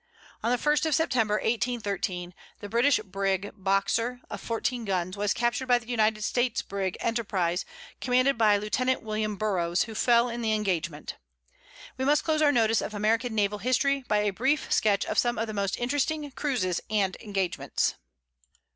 On the first of September, 1813, the British brig Boxer of 14 guns, was captured by the United States brig Enterprise, commanded by Lieutenant William Burrows, who fell in the engagement. We must close our notice of American naval history, by a brief sketch of some of the most interesting cruises and engagements.